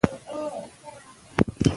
فعالیت د بدن تکړتیا لوړوي.